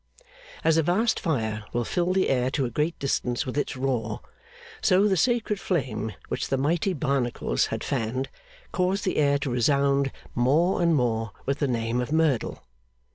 As a vast fire will fill the air to a great distance with its roar, so the sacred flame which the mighty Barnacles had fanned caused the air to resound more and more with the name of Merdle.